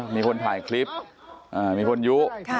มีคนถ่ายคลิปมีคนยุ